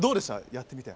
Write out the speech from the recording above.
やってみて。